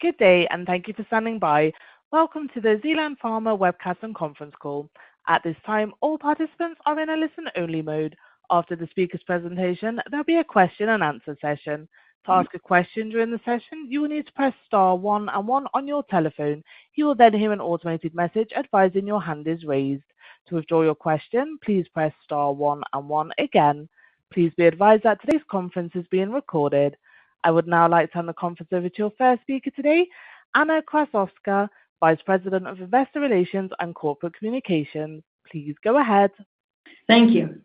Good day, and thank you for standing by. Welcome to the Zealand Pharma Webcast and Conference Call. At this time, all participants are in a listen-only mode. After the speaker's presentation, there'll be a question and answer session. To ask a question during the session, you will need to press star one and one on your telephone. You will then hear an automated message advising your hand is raised. To withdraw your question, please press star one and one again. Please be advised that today's conference is being recorded. I would now like to turn the conference over to your first speaker today, Anna Krassowska, Vice President of Investor Relations and Corporate Communications. Please go ahead. Thank you.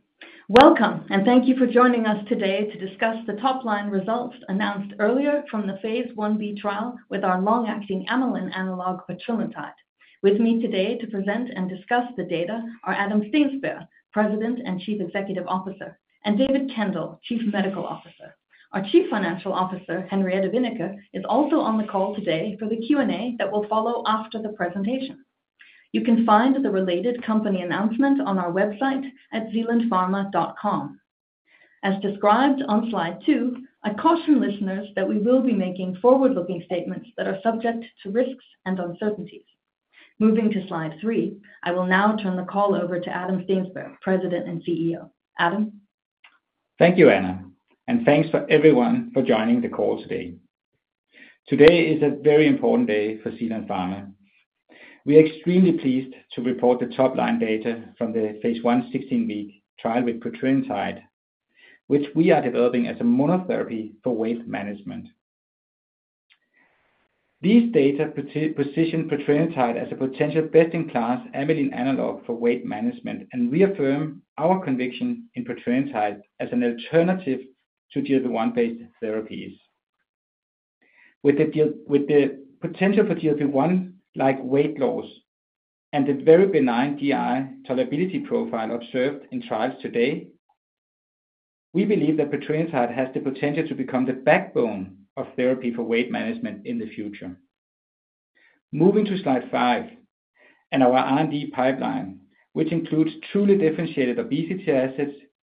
Welcome, and thank you for joining us today to discuss the top-line results announced earlier from the Phase 1B trial with our long-acting amylin analog, petrelintide. With me today to present and discuss the data are Adam Steensberg, President and Chief Executive Officer, and David Kendall, Chief Medical Officer. Our Chief Financial Officer, Henriette Wennicke, is also on the call today for the Q&A that will follow after the presentation. You can find the related company announcement on our website at zealandpharma.com. As described on Slide 2, I caution listeners that we will be making forward-looking statements that are subject to risks and uncertainties. Moving to Slide 3, I will now turn the call over to Adam Steensberg, President and CEO. Adam? Thank you, Anna, and thanks for everyone for joining the call today. Today is a very important day for Zealand Pharma. We are extremely pleased to report the top-line data from the Phase 1 16-week trial with petrelintide, which we are developing as a monotherapy for weight management. These data position petrelintide as a potential best-in-class amylin analog for weight management and reaffirm our conviction in petrelintide as an alternative to GLP-1-based therapies. With the potential for GLP-1-like weight loss and the very benign GI tolerability profile observed in trials today, we believe that petrelintide has the potential to become the backbone of therapy for weight management in the future. Moving to Slide 5 and our R&D pipeline, which includes truly differentiated obesity assets,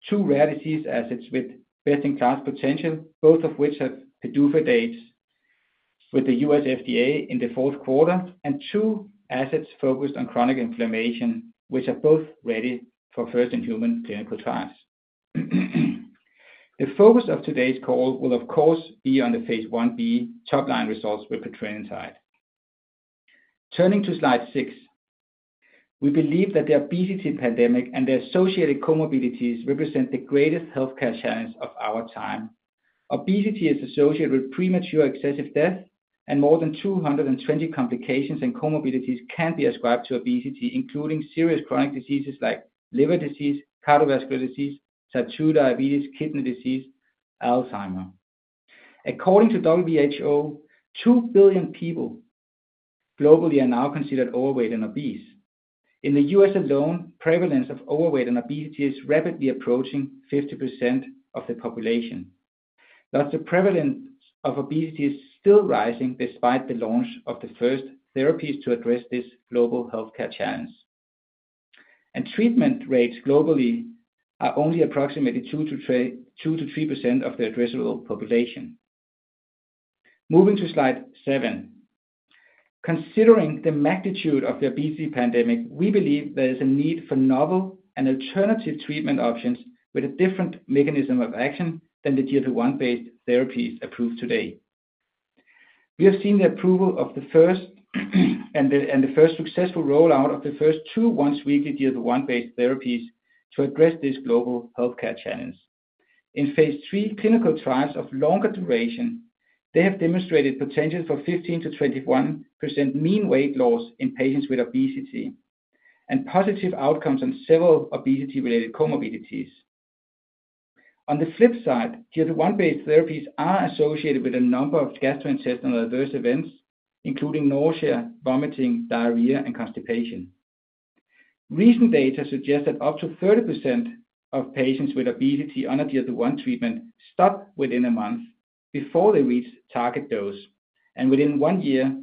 two rare disease assets with best-in-class potential, both of which have PDUFA dates with the U.S. FDA in the fourth quarter, and two assets focused on chronic inflammation, which are both ready for first-in-human clinical trials. The focus of today's call will, of course, be on the Phase 1B top-line results with petrelintide. Turning to Slide 6. We believe that the obesity pandemic and the associated comorbidities represent the greatest healthcare challenge of our time. Obesity is associated with premature excessive death, and more than 220 complications and comorbidities can be ascribed to obesity, including serious chronic diseases like liver disease, cardiovascular disease, type 2 diabetes, kidney disease, Alzheimer. According to WHO, 2 billion people globally are now considered overweight and obese. In the U.S. alone, prevalence of overweight and obesity is rapidly approaching 50% of the population. Thus, the prevalence of obesity is still rising despite the launch of the first therapies to address this global healthcare challenge. Treatment rates globally are only approximately 2%-3% of the addressable population. Moving to slide 7. Considering the magnitude of the obesity pandemic, we believe there is a need for novel and alternative treatment options with a different mechanism of action than the GLP-1-based therapies approved today. We have seen the approval of the first successful rollout of the first two once-weekly GLP-1-based therapies to address this global healthcare challenge. In Phase 3 clinical trials of longer duration, they have demonstrated potential for 15%-21% mean weight loss in patients with obesity, and positive outcomes on several obesity-related comorbidities. On the flip side, GLP-1-based therapies are associated with a number of gastrointestinal adverse events, including nausea, vomiting, diarrhea, and constipation. Recent data suggest that up to 30% of patients with obesity on a GLP-1 treatment stop within a month before they reach target dose, and within one year,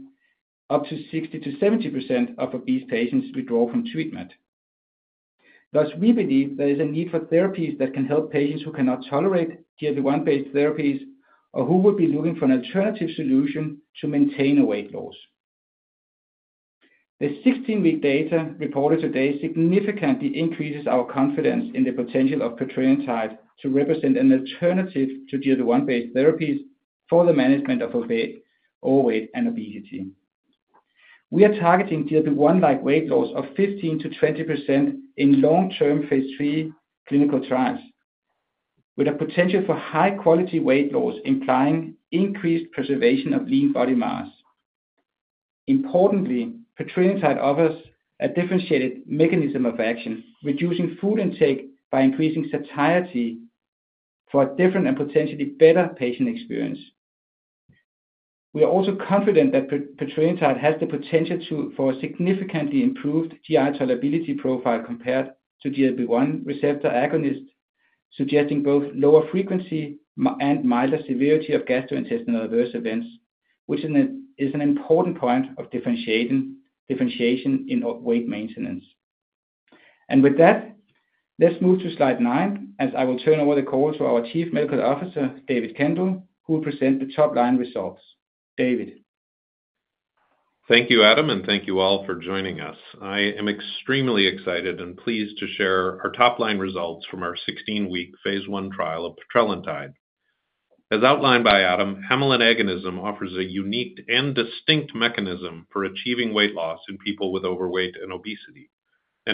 up to 60%-70% of obese patients withdraw from treatment. Thus, we believe there is a need for therapies that can help patients who cannot tolerate GLP-1-based therapies, or who would be looking for an alternative solution to maintain a weight loss. The 16-week data reported today significantly increases our confidence in the potential of petrelintide to represent an alternative to GLP-1-based therapies for the management of overweight, overweight and obesity. We are targeting GLP-1-like weight loss of 15%-20% in long-term Phase 3 clinical trials, with a potential for high quality weight loss, implying increased preservation of lean body mass. Importantly, petrelintide offers a differentiated mechanism of action, reducing food intake by increasing satiety for a different and potentially better patient experience. We are also confident that petrelintide has the potential for a significantly improved GI tolerability profile compared to GLP-1 receptor agonist, suggesting both lower frequency and milder severity of gastrointestinal adverse events, which is an important point of differentiation in weight maintenance. With that, let's move to Slide 9, as I will turn over the call to our Chief Medical Officer, David Kendall, who will present the top-line results. David? Thank you, Adam, and thank you all for joining us. I am extremely excited and pleased to share our top-line results from our 16-week Phase 1 trial of petrelintide. As outlined by Adam, amylin agonism offers a unique and distinct mechanism for achieving weight loss in people with overweight and obesity.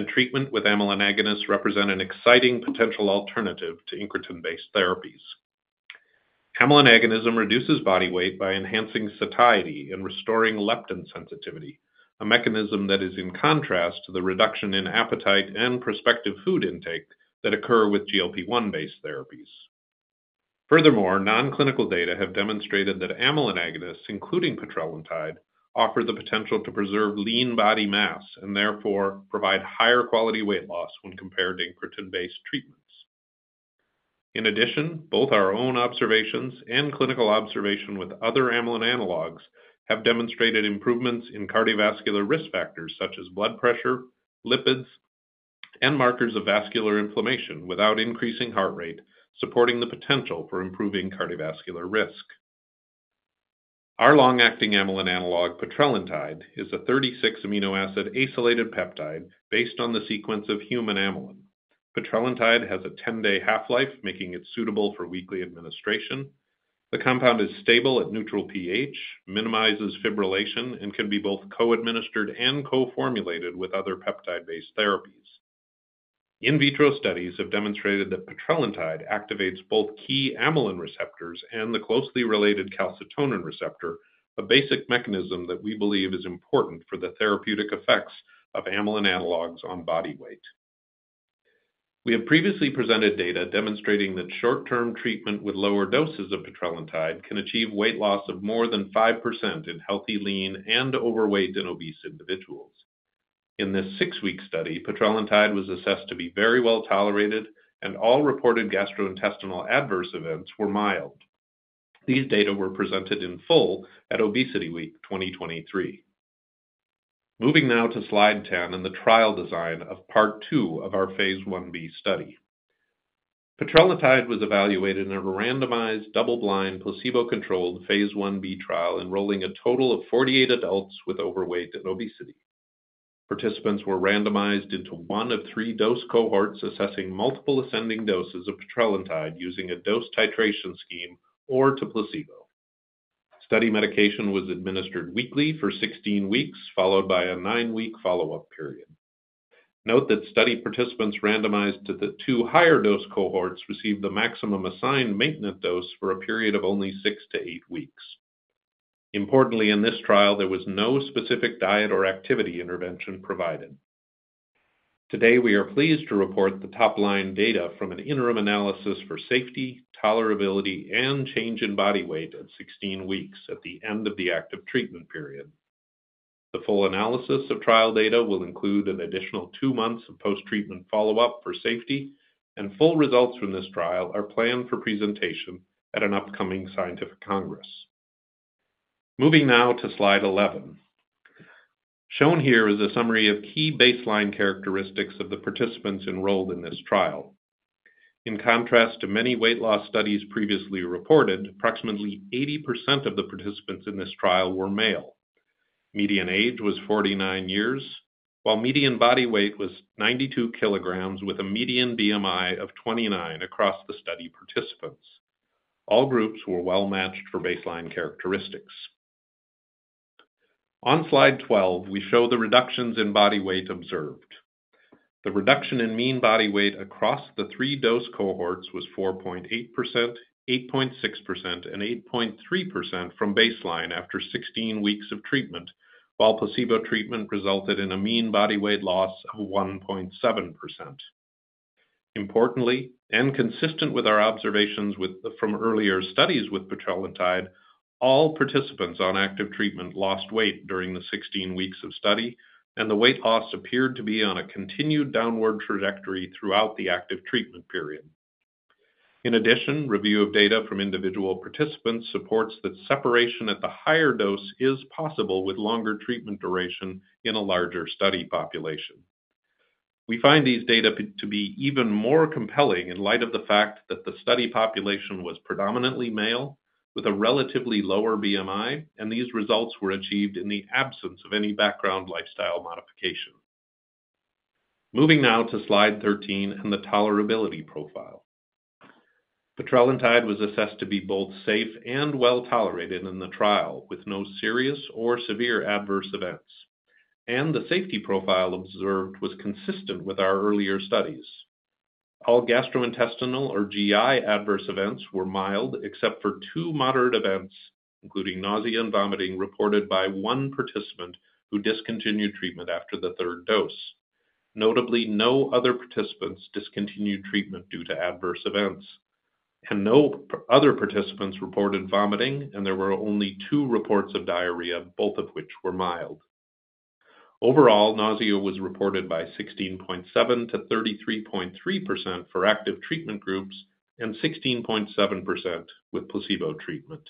Treatment with amylin agonists represent an exciting potential alternative to incretin-based therapies. Amylin agonism reduces body weight by enhancing satiety and restoring leptin sensitivity, a mechanism that is in contrast to the reduction in appetite and prospective food intake that occur with GLP-1-based therapies. Furthermore, non-clinical data have demonstrated that amylin agonists, including petrelintide, offer the potential to preserve lean body mass and therefore provide higher quality weight loss when compared to incretin-based treatments. In addition, both our own observations and clinical observation with other amylin analogs have demonstrated improvements in cardiovascular risk factors such as blood pressure, lipids, and markers of vascular inflammation without increasing heart rate, supporting the potential for improving cardiovascular risk. Our long-acting amylin analog, petrelintide, is a 36 amino acid acylated peptide based on the sequence of human amylin. Petrelintide has a 10-day half-life, making it suitable for weekly administration. The compound is stable at neutral pH, minimizes fibrillation, and can be both co-administered and co-formulated with other peptide-based therapies. In vitro studies have demonstrated that petrelintide activates both key amylin receptors and the closely related calcitonin receptor, a basic mechanism that we believe is important for the therapeutic effects of amylin analogs on body weight. We have previously presented data demonstrating that short-term treatment with lower doses of petrelintide can achieve weight loss of more than 5% in healthy, lean, and overweight and obese individuals. In this 6-week study, petrelintide was assessed to be very well tolerated, and all reported gastrointestinal adverse events were mild. These data were presented in full at ObesityWeek 2023. Moving now to Slide 10 and the trial design of Part Two of our Phase 1B study. Petrelintide was evaluated in a randomized, double-blind, placebo-controlled Phase 1B trial, enrolling a total of 48 adults with overweight and obesity. Participants were randomized into one of three dose cohorts, assessing multiple ascending doses of petrelintide using a dose titration scheme or to placebo. Study medication was administered weekly for 16 weeks, followed by a 9-week follow-up period. Note that study participants randomized to the two higher dose cohorts received the maximum assigned maintenance dose for a period of only 6-8 weeks. Importantly, in this trial, there was no specific diet or activity intervention provided. Today, we are pleased to report the top-line data from an interim analysis for safety, tolerability, and change in body weight at 16 weeks at the end of the active treatment period. The full analysis of trial data will include an additional 2 months of post-treatment follow-up for safety, and full results from this trial are planned for presentation at an upcoming scientific congress. Moving now to Slide 11. Shown here is a summary of key baseline characteristics of the participants enrolled in this trial. In contrast to many weight loss studies previously reported, approximately 80% of the participants in this trial were male. Median age was 49 years, while median body weight was 92 kilograms, with a median BMI of 29 across the study participants. All groups were well-matched for baseline characteristics. On Slide 12, we show the reductions in body weight observed. The reduction in mean body weight across the three dose cohorts was 4.8%, 8.6%, and 8.3% from baseline after 16 weeks of treatment, while placebo treatment resulted in a mean body weight loss of 1.7%. Importantly, and consistent with our observations from earlier studies with petrelintide, all participants on active treatment lost weight during the 16 weeks of study, and the weight loss appeared to be on a continued downward trajectory throughout the active treatment period. In addition, review of data from individual participants supports that separation at the higher dose is possible with longer treatment duration in a larger study population. We find these data to be even more compelling in light of the fact that the study population was predominantly male with a relatively lower BMI, and these results were achieved in the absence of any background lifestyle modification. Moving now to Slide 13 and the tolerability profile. Petrelintide was assessed to be both safe and well-tolerated in the trial, with no serious or severe adverse events, and the safety profile observed was consistent with our earlier studies. All gastrointestinal or GI adverse events were mild, except for two moderate events, including nausea and vomiting, reported by one participant who discontinued treatment after the third dose. Notably, no other participants discontinued treatment due to adverse events, and no other participants reported vomiting, and there were only 2 reports of diarrhea, both of which were mild. Overall, nausea was reported by 16.7%-33.3% for active treatment groups and 16.7% with placebo treatment.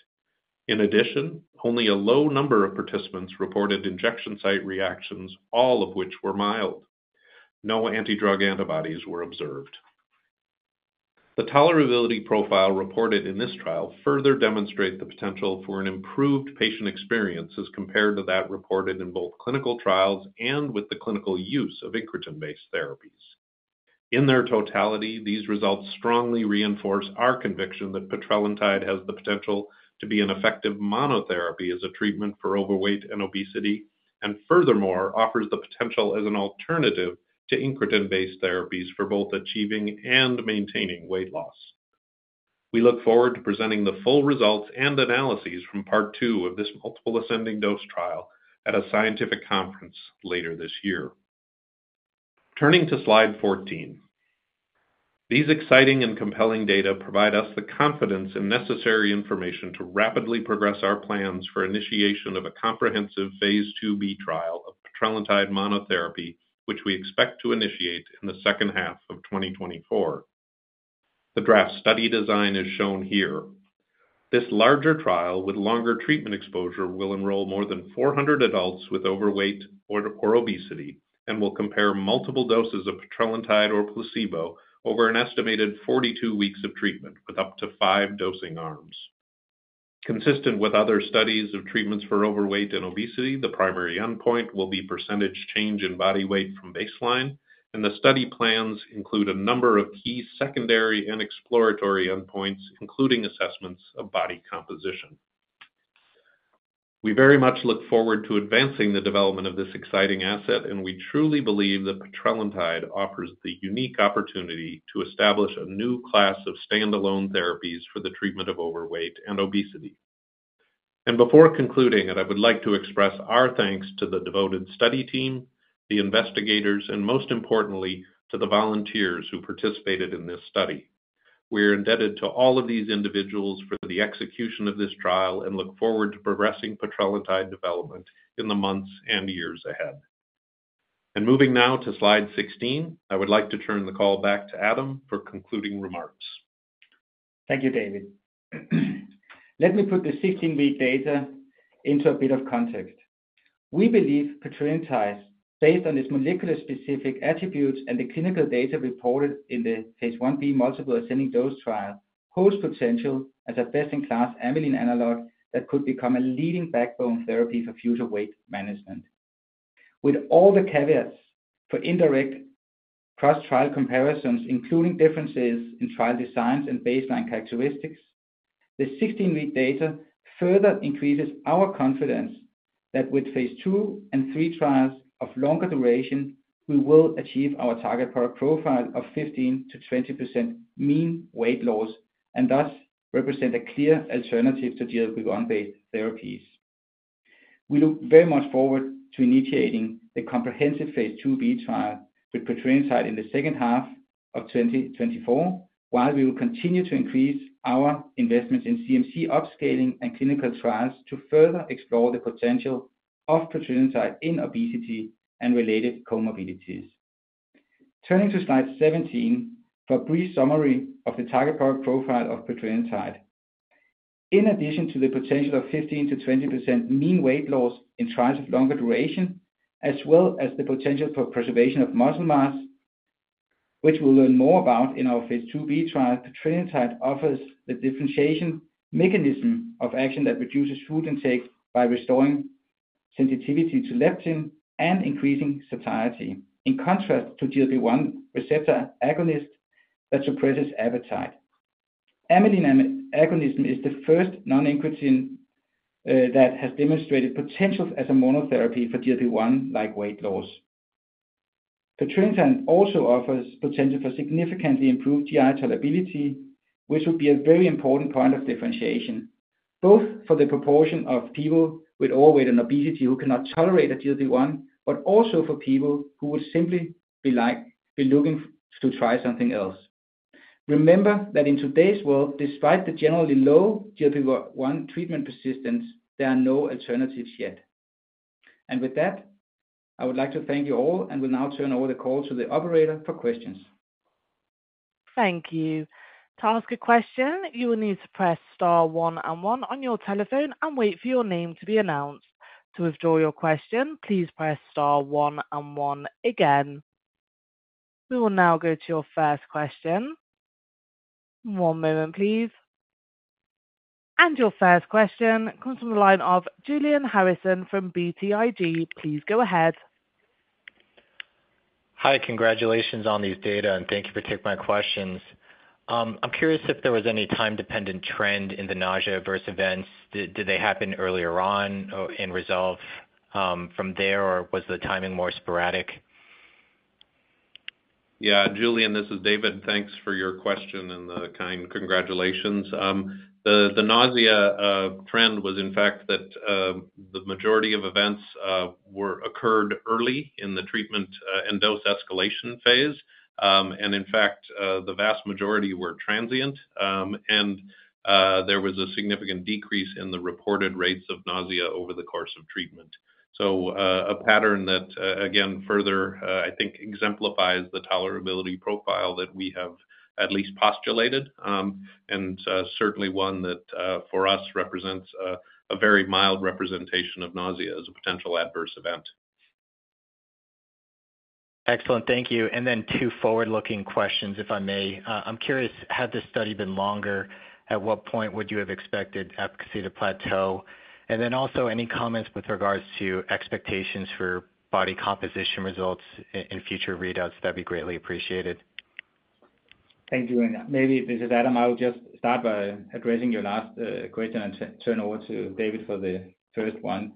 In addition, only a low number of participants reported injection site reactions, all of which were mild. No anti-drug antibodies were observed. The tolerability profile reported in this trial further demonstrate the potential for an improved patient experience as compared to that reported in both clinical trials and with the clinical use of incretin-based therapies. In their totality, these results strongly reinforce our conviction that petrelintide has the potential to be an effective monotherapy as a treatment for overweight and obesity, and furthermore, offers the potential as an alternative to incretin-based therapies for both achieving and maintaining weight loss. We look forward to presenting the full results and analyses from part 2 of this multiple ascending dose trial at a scientific conference later this year. Turning to slide 14, these exciting and compelling data provide us the confidence and necessary information to rapidly progress our plans for initiation of a comprehensive Phase 2B trial of petrelintide monotherapy, which we expect to initiate in the second half of 2024. The draft study design is shown here. This larger trial, with longer treatment exposure, will enroll more than 400 adults with overweight or obesity, and will compare multiple doses of petrelintide or placebo over an estimated 42 weeks of treatment with up to 5 dosing arms. Consistent with other studies of treatments for overweight and obesity, the primary endpoint will be percentage change in body weight from baseline, and the study plans include a number of key secondary and exploratory endpoints, including assessments of body composition. We very much look forward to advancing the development of this exciting asset, and we truly believe that petrelintide offers the unique opportunity to establish a new class of standalone therapies for the treatment of overweight and obesity. And before concluding, I would like to express our thanks to the devoted study team, the investigators, and most importantly, to the volunteers who participated in this study. We are indebted to all of these individuals for the execution of this trial and look forward to progressing petrelintide development in the months and years ahead. Moving now to Slide 16, I would like to turn the call back to Adam for concluding remarks. Thank you, David. Let me put the 16-week data into a bit of context. We believe petrelintide, based on its molecular specific attributes and the clinical data reported in the Phase 1B multiple ascending dose trial, holds potential as a best-in-class amylin analog that could become a leading backbone therapy for future weight management. With all the caveats for indirect cross trial comparisons, including differences in trial designs and baseline characteristics, the 16-week data further increases our confidence that with Phase 2 and 3 trials of longer duration, we will achieve our target product profile of 15%-20% mean weight loss, and thus represent a clear alternative to GLP-1-based therapies. We look very much forward to initiating the comprehensive Phase 2B trial with petrelintide in the second half of 2024, while we will continue to increase our investment in CMC upscaling and clinical trials to further explore the potential of petrelintide in obesity and related comorbidities. Turning to slide 17, for a brief summary of the target product profile of petrelintide. In addition to the potential of 15%-20% mean weight loss in trials of longer duration, as well as the potential for preservation of muscle mass, which we'll learn more about in our Phase 2B trial, petrelintide offers the differentiation mechanism of action that reduces food intake by restoring sensitivity to leptin and increasing satiety, in contrast to GLP-1 receptor agonist that suppresses appetite. Amylin agonism is the first non-incretin that has demonstrated potential as a monotherapy for GLP-1-like weight loss. Petrelintide also offers potential for significantly improved GI tolerability, which would be a very important point of differentiation, both for the proportion of people with overweight and obesity who cannot tolerate a GLP-1, but also for people who would simply be like, be looking to try something else. Remember that in today's world, despite the generally low GLP-1 treatment persistence, there are no alternatives yet. With that, I would like to thank you all and will now turn over the call to the operator for questions. Thank you. To ask a question, you will need to press star one and one on your telephone and wait for your name to be announced. To withdraw your question, please press star one and one again. We will now go to your first question. One moment, please. Your first question comes from the line of Julian Harrison from BTIG. Please go ahead. Hi, congratulations on these data, and thank you for taking my questions. I'm curious if there was any time-dependent trend in the nausea adverse events. Did they happen earlier on, and resolve, from there, or was the timing more sporadic? Yeah, Julian, this is David. Thanks for your question and the kind congratulations. The nausea trend was, in fact, that the majority of events were occurred early in the treatment and dose escalation phase. And in fact, the vast majority were transient, and there was a significant decrease in the reported rates of nausea over the course of treatment. So, a pattern that, again, further, I think exemplifies the tolerability profile that we have at least postulated, and certainly one that, for us represents, a very mild representation of nausea as a potential adverse event. Excellent. Thank you. And then two forward-looking questions, if I may. I'm curious, had this study been longer, at what point would you have expected efficacy to plateau? And then also, any comments with regards to expectations for body composition results in future readouts, that'd be greatly appreciated. Thank you. And maybe, this is Adam, I'll just start by addressing your last question, and turn over to David for the first one.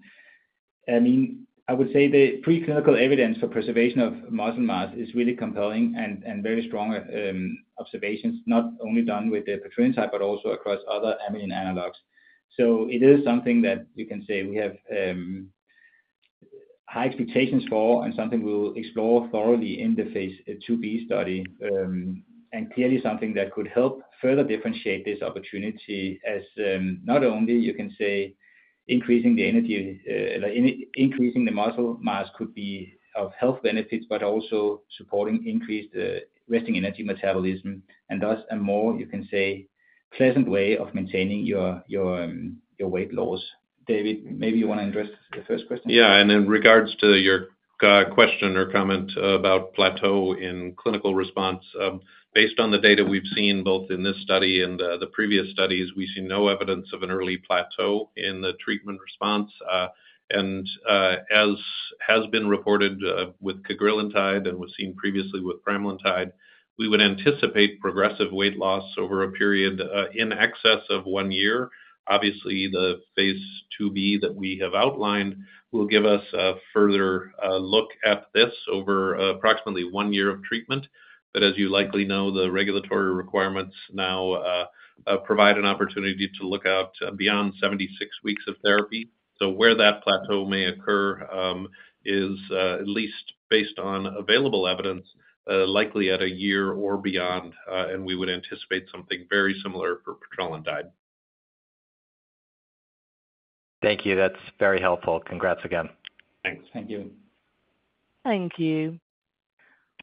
I mean, I would say the preclinical evidence for preservation of muscle mass is really compelling and very strong observations, not only done with the petrelintide, but also across other amylin analogs. So it is something that we can say we have high expectations for and something we'll explore thoroughly in the Phase 2B study. And clearly something that could help further differentiate this opportunity as, not only you can say increasing the energy, increasing the muscle mass could be of health benefits, but also supporting increased resting energy metabolism, and thus, a more, you can say, pleasant way of maintaining your, your, your weight loss. David, maybe you wanna address the first question? Yeah, and in regards to your question or comment about plateau in clinical response, based on the data we've seen both in this study and the previous studies, we've seen no evidence of an early plateau in the treatment response. And as has been reported with cagrilintide and was seen previously with pramlintide, we would anticipate progressive weight loss over a period in excess of one year. Obviously, the Phase 2B that we have outlined will give us a further look at this over approximately one year of treatment. But as you likely know, the regulatory requirements now provide an opportunity to look out beyond 76 weeks of therapy. So where that plateau may occur, is, at least based on available evidence, likely at a year or beyond, and we would anticipate something very similar for petrelintide. Thank you. That's very helpful. Congrats again. Thanks. Thank you. Thank you.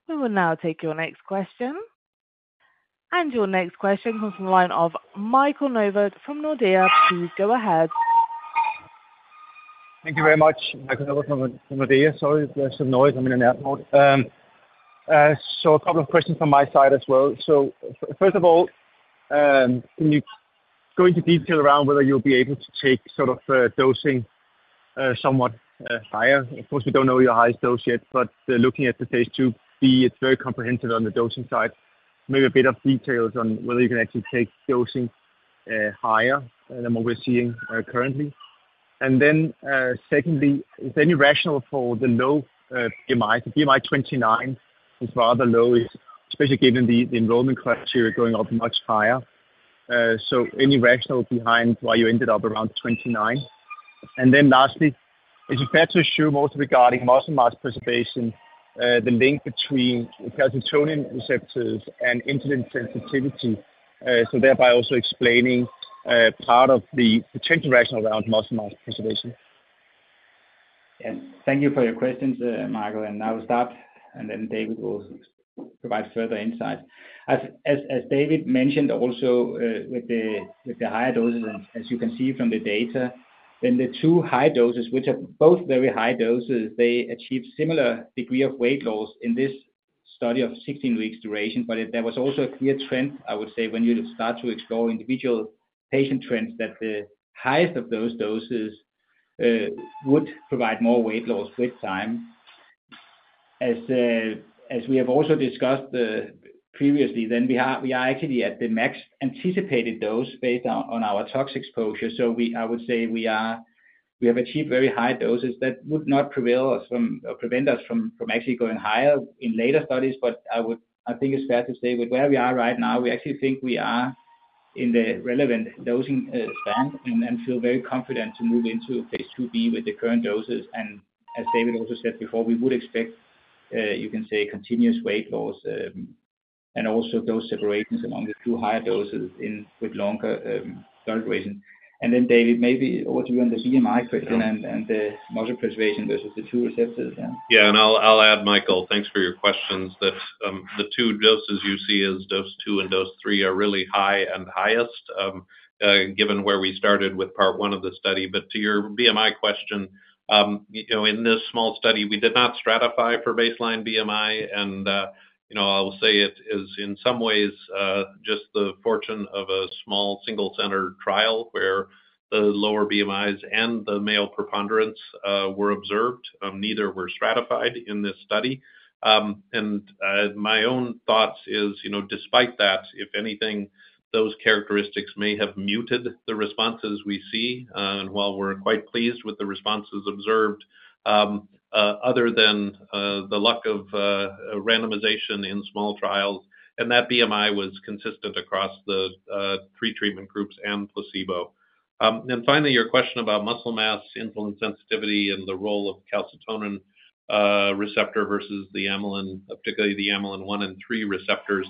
We will now take your next question. Your next question comes from the line of Michael Novod from Nordea. Please go ahead. Thank you very much. Michael Novod from Nordea. Sorry, there's some noise. I'm in an airport. A couple of questions from my side as well. First of all, can you go into detail around whether you'll be able to take sort of, dosing, somewhat, higher? Of course, we don't know your highest dose yet, but, looking at the Phase 2B, it's very comprehensive on the dosing side. Maybe a bit of details on whether you can actually take dosing, higher than what we're seeing, currently. And then, secondly, is there any rationale for the low, BMI? The BMI 29 is rather low, especially given the enrollment criteria going up much higher. Any rationale behind why you ended up around 29? And then lastly, is it fair to assume, also regarding muscle mass preservation, the link between calcitonin receptors and insulin sensitivity, so thereby also explaining, part of the potential rationale around muscle mass preservation? Thank you for your questions, Michael. I will start, and then David will provide further insight. As David mentioned also, with the higher doses, and as you can see from the data, then the two high doses, which are both very high doses, they achieve similar degree of weight loss in this study of 16 weeks duration. But there was also a clear trend, I would say, when you start to explore individual patient trends, that the highest of those doses would provide more weight loss with time. As we have also discussed previously, then we are actually at the max anticipated dose based on our tox exposure. So, I would say we have achieved very high doses that would not prevail us from, or prevent us from, actually going higher in later studies. But I think it's fair to say with where we are right now, we actually think we are in the relevant dosing span, and feel very confident to move into a Phase 2B with the current doses. As David also said before, we would expect you can say continuous weight loss, and also dose separations among the 2 higher doses in with longer drug duration. Then, David, maybe over to you on the BMI question and the muscle preservation versus the 2 receptors then. Yeah, and I'll add, Michael, thanks for your questions. That, the two doses you see as dose two and dose three are really high and highest, given where we started with part one of the study. But to your BMI question, you know, in this small study, we did not stratify for baseline BMI, and, you know, I will say it is in some ways, just the fortune of a small single-centered trial where the lower BMIs and the male preponderance, were observed. Neither were stratified in this study. My own thoughts is, you know, despite that, if anything, those characteristics may have muted the responses we see, and while we're quite pleased with the responses observed, other than the luck of randomization in small trials, and that BMI was consistent across the three treatment groups and placebo. Finally, your question about muscle mass, insulin sensitivity, and the role of calcitonin receptor versus the amylin, particularly the amylin one and three receptors.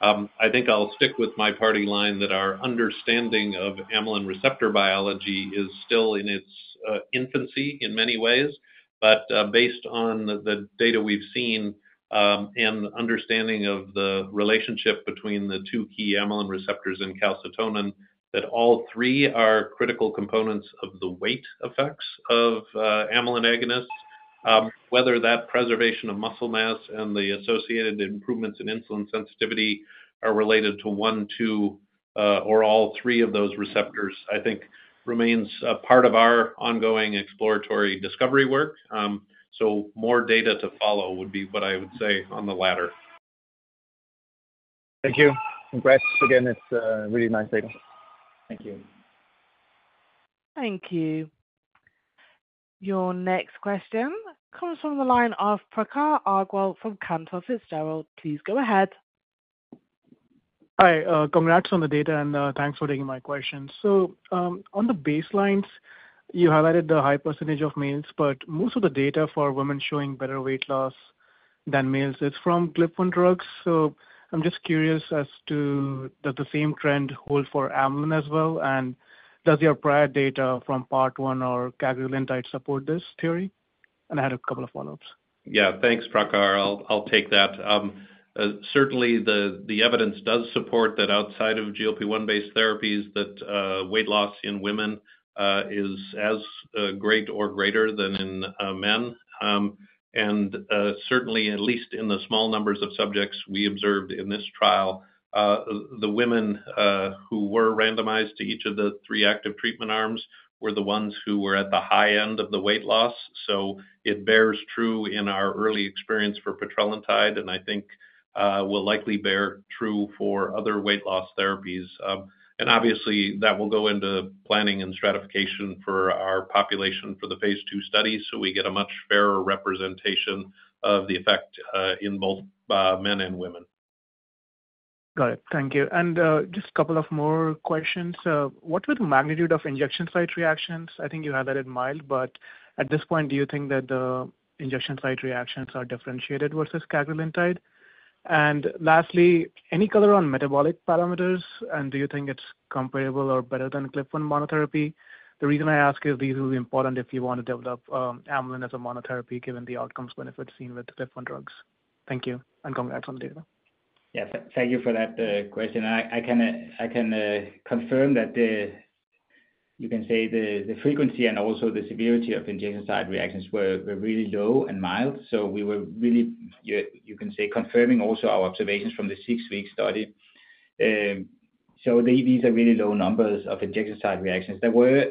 I think I'll stick with my party line that our understanding of amylin receptor biology is still in its infancy in many ways. But, based on the data we've seen, and understanding of the relationship between the two key amylin receptors and calcitonin, that all three are critical components of the weight effects of amylin agonists. Whether that preservation of muscle mass and the associated improvements in insulin sensitivity are related to one, two, or all three of those receptors, I think remains a part of our ongoing exploratory discovery work. So more data to follow would be what I would say on the latter. Thank you. Congrats again. It's really nice data. Thank you. Thank you. Your next question comes from the line of Prakhar Agrawal from Cantor Fitzgerald. Please go ahead. Hi. Congrats on the data, and, thanks for taking my question. So, on the baselines, you highlighted the high percentage of males, but most of the data for women showing better weight loss than males is from GLP-1 drugs. So I'm just curious as to, does the same trend hold for amylin as well? And does your prior data from part one or cagrilintide support this theory? And I had a couple of follow-ups. Yeah, thanks, Prakhar. I'll take that. Certainly the evidence does support that outside of GLP-1-based therapies, that weight loss in women is as great or greater than in men. And certainly, at least in the small numbers of subjects we observed in this trial, the women who were randomized to each of the three active treatment arms were the ones who were at the high end of the weight loss. So it bears true in our early experience for petrelintide, and I think will likely bear true for other weight loss therapies. And obviously, that will go into planning and stratification for our population for the Phase 2 study, so we get a much fairer representation of the effect in both men and women. Got it. Thank you. And just a couple of more questions. What was the magnitude of injection site reactions? I think you had that in mind, but at this point, do you think that the injection site reactions are differentiated versus cagrilintide? And lastly, any color on metabolic parameters, and do you think it's comparable or better than GLP-1 monotherapy? The reason I ask is these will be important if you want to develop, amylin as a monotherapy, given the outcomes benefit seen with GLP-1 drugs. Thank you, and congrats on the data. Yeah, thank you for that question. I can confirm that the, you can say, the frequency and also the severity of injection-site reactions were really low and mild. So we were really, you can say, confirming also our observations from the six-week study. So these are really low numbers of injection-site reactions. There were,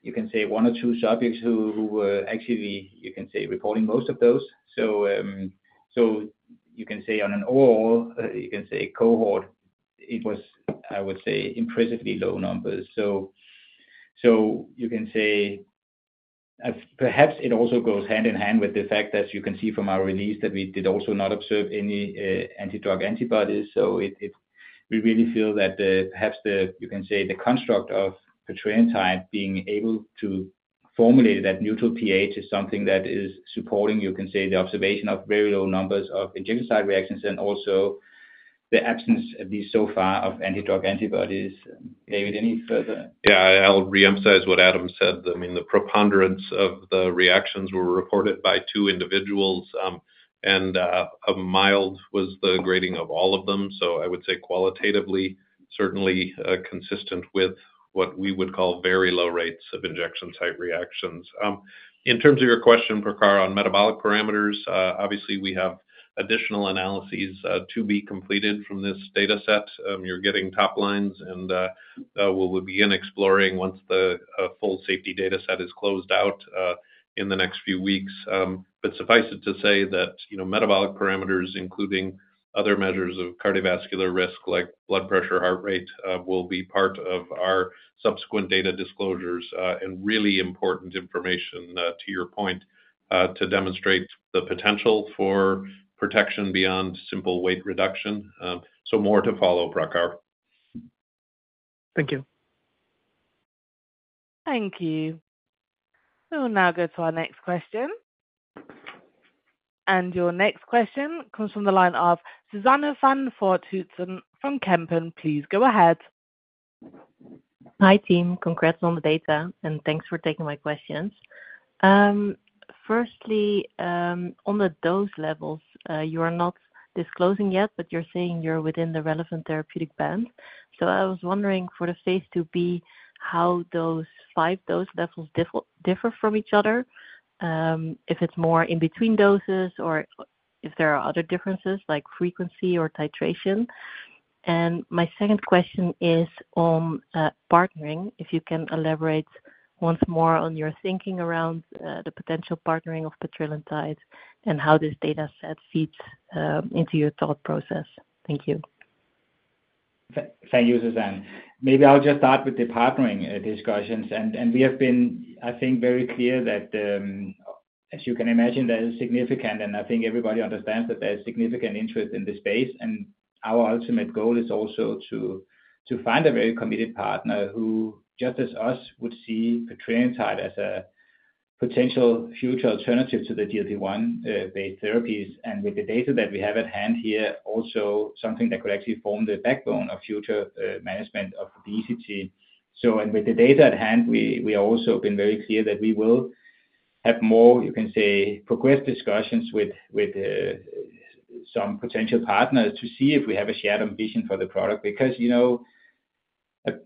you can say, one or two subjects who were actually, you can say, reporting most of those. So, so you can say on an overall, you can say, cohort, it was, I would say, impressively low numbers. So, so you can say, perhaps it also goes hand in hand with the fact that you can see from our release that we did also not observe any anti-drug antibodies. So we really feel that perhaps the, you can say, the construct of the petrelintide being able to formulate that neutral pH is something that is supporting, you can say, the observation of very low numbers of injection site reactions and also the absence, at least so far, of anti-drug antibodies. David, any further? Yeah, I'll reemphasize what Adam said. I mean, the preponderance of the reactions were reported by two individuals, and a mild was the grading of all of them. So I would say qualitatively, certainly, consistent with what we would call very low rates of injection site reactions. In terms of your question, Prakhar, on metabolic parameters, obviously, we have additional analyses to be completed from this data set. You're getting top lines, and we will begin exploring once the full safety data set is closed out in the next few weeks. But suffice it to say that, you know, metabolic parameters, including other measures of cardiovascular risk, like blood pressure, heart rate, will be part of our subsequent data disclosures, and really important information, to your point, to demonstrate the potential for protection beyond simple weight reduction. So more to follow, Prakhar. Thank you. Thank you. We will now go to our next question. Your next question comes from the line of Suzanne van Voorthuizen from Kempen. Please go ahead. Hi, team. Congrats on the data, and thanks for taking my questions. Firstly, on the dose levels, you are not disclosing yet, but you're saying you're within the relevant therapeutic band. So I was wondering for the Phase 2B, how those 5 dose levels differ from each other, if it's more in between doses or if there are other differences like frequency or titration. And my second question is on partnering, if you can elaborate once more on your thinking around the potential partnering of petrelintide and how this data set feeds into your thought process. Thank you. Thank you, Suzanne. Maybe I'll just start with the partnering discussions. We have been, I think, very clear that, as you can imagine, there is significant, and I think everybody understands that there is significant interest in this space, and our ultimate goal is also to find a very committed partner who, just as us, would see petrelintide as potential future alternative to the GLP-1 based therapies, and with the data that we have at hand here, also something that could actually form the backbone of future management of obesity. With the data at hand, we also have been very clear that we will have more, you can say, progress discussions with some potential partners to see if we have a shared ambition for the product. Because, you know, at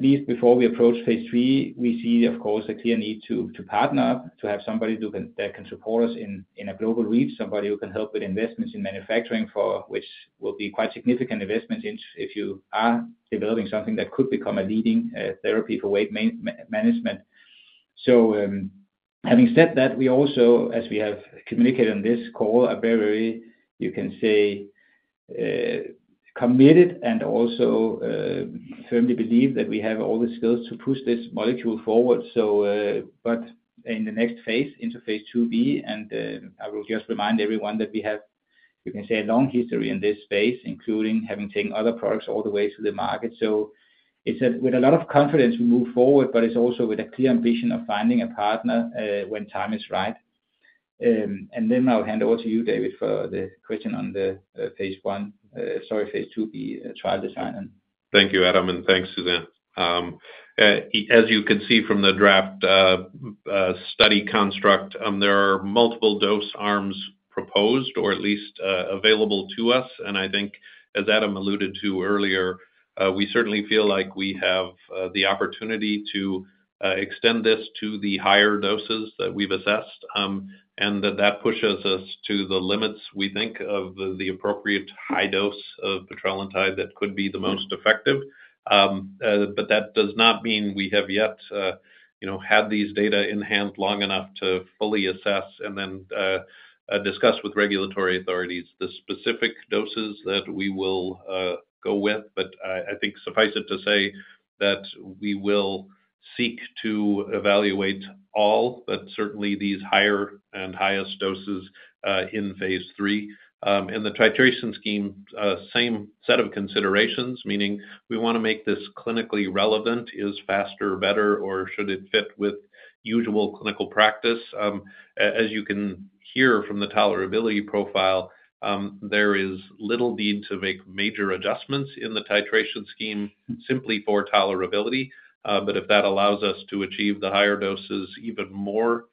least before we approach Phase 3, we see, of course, a clear need to partner, to have somebody who can that can support us in a global reach, somebody who can help with investments in manufacturing for which will be quite significant investments in, if you are developing something that could become a leading therapy for weight management. So, having said that, we also, as we have communicated on this call, are very, very, you can say, committed and also firmly believe that we have all the skills to push this molecule forward. So, but in the next Phase, into Phase 2B, and I will just remind everyone that we have, you can say, a long history in this space, including having taken other products all the way to the market. It's with a lot of confidence we move forward, but it's also with a clear ambition of finding a partner, when time is right. Then I'll hand over to you, David, for the question on the Phase 2B trial design. Thank you, Adam, and thanks, Suzanne. As you can see from the draft study construct, there are multiple dose arms proposed or at least available to us. I think, as Adam alluded to earlier, we certainly feel like we have the opportunity to extend this to the higher doses that we've assessed, and that pushes us to the limits we think of the appropriate high dose of the petrelintide that could be the most effective. But that does not mean we have yet, you know, had these data in hand long enough to fully assess, and then discuss with regulatory authorities the specific doses that we will go with. But, I think suffice it to say, that we will seek to evaluate all, but certainly these higher and highest doses, in Phase 3. The titration scheme, same set of considerations, meaning we wanna make this clinically relevant. Is faster, better, or should it fit with usual clinical practice? As you can hear from the tolerability profile, there is little need to make major adjustments in the titration scheme simply for tolerability, but if that allows us to achieve the higher doses even more,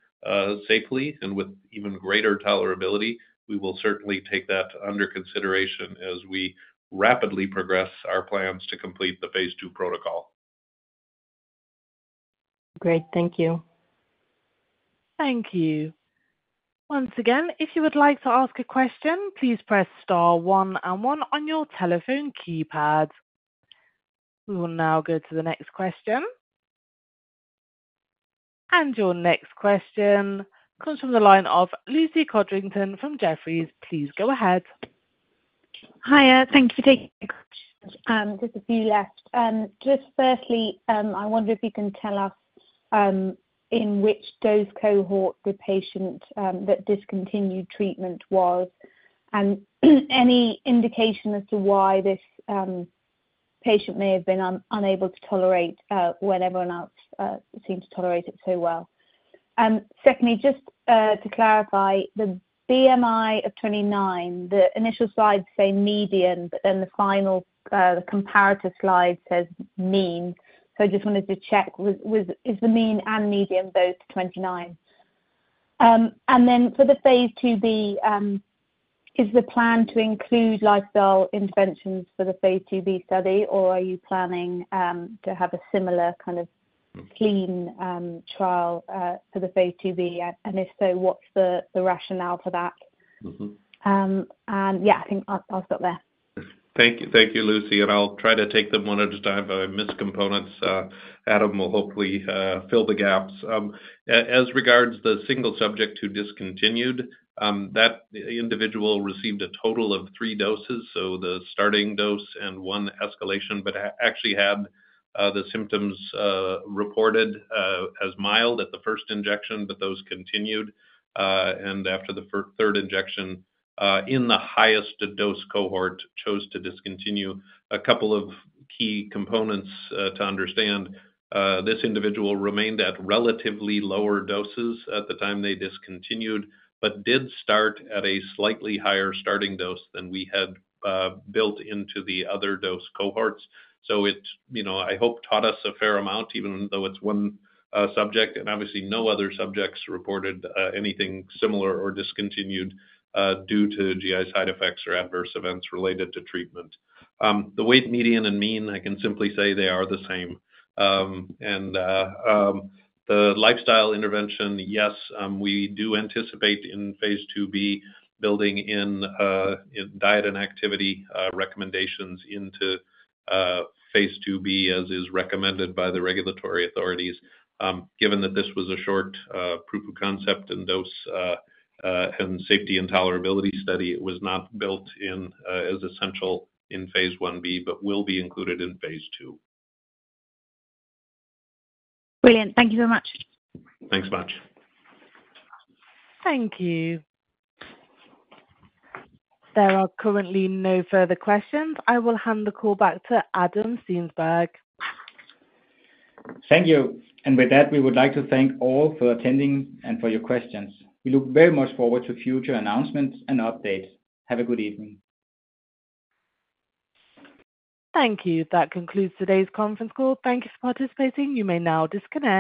safely and with even greater tolerability, we will certainly take that under consideration as we rapidly progress our plans to complete the Phase 2 protocol. Great. Thank you. Thank you. Once again, if you would like to ask a question, please press star one oh one on your telephone keypad. We will now go to the next question. Your next question comes from the line of Lucy Codrington from Jefferies. Please go ahead. Hi, thank you for taking my question. Just a few left. Just firstly, I wonder if you can tell us in which dose cohort the patient that discontinued treatment was, and any indication as to why this patient may have been unable to tolerate when everyone else seemed to tolerate it so well? Secondly, just to clarify, the BMI of 29, the initial slides say median, but then the final, the comparative slide says mean. So I just wanted to check, is the mean and median both 29? And then for the Phase 2B, is the plan to include lifestyle interventions for the Phase 2B study, or are you planning to have a similar kind of clean trial for the Phase 2B? And if so, what's the rationale for that? Mm-hmm. Yeah, I think I'll stop there. Thank you. Thank you, Lucy, and I'll try to take them one at a time. If I miss components, Adam will hopefully fill the gaps. As regards the single subject who discontinued, that individual received a total of three doses, so the starting dose and one escalation, but actually had the symptoms reported as mild at the first injection, but those continued. And after the third injection, in the highest dose cohort, chose to discontinue. A couple of key components to understand, this individual remained at relatively lower doses at the time they discontinued, but did start at a slightly higher starting dose than we had built into the other dose cohorts. So, it you know, I hope taught us a fair amount, even though it's 1 subject, and obviously no other subjects reported anything similar or discontinued due to GI side effects or adverse events related to treatment. The weight median and mean, I can simply say they are the same. The lifestyle intervention, yes, we do anticipate in Phase 2B building in diet and activity recommendations into Phase 2B, as is recommended by the regulatory authorities. Given that this was a short proof of concept and dose and safety and tolerability study, it was not built in as essential in Phase 1B, but will be included in Phase 2B. Brilliant. Thank you so much. Thanks much. Thank you. There are currently no further questions. I will hand the call back to Adam Steensberg. Thank you. With that, we would like to thank all for attending and for your questions. We look very much forward to future announcements and updates. Have a good evening. Thank you. That concludes today's conference call. Thank you for participating. You may now disconnect.